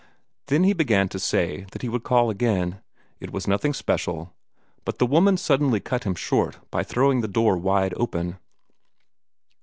Then he began to say that he would call again it was nothing special but the woman suddenly cut him short by throwing the door wide open.